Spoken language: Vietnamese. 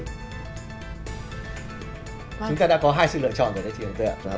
chúng ta đã có hai sự lựa chọn rồi đấy